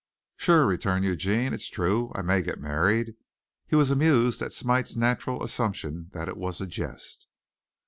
"Sure," returned Eugene. "It's true, I may get married." He was amused at Smite's natural assumption that it was a jest.